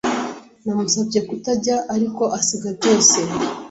Namusabye kutajya, ariko asiga byose.